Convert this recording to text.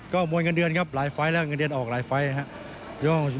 ก็มวยเงินเดือนครับหลายไฟล์แล้วเงินเดือนออกหลายไฟล์นะครับ